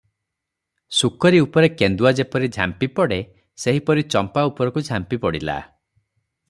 ଶୁକରୀ ଉପରେ କେନ୍ଦୁଆ ଯେପରି ଝାମ୍ପି ପଡ଼େ, ସେହିପରି ଚମ୍ପା ଉପରକୁ ଝାମ୍ପି ପଡ଼ିଲା ।